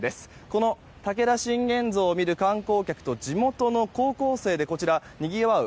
この武田信玄像を見る観光客と地元の高校生でにぎわう